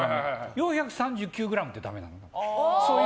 ４３９ｇってダメなの？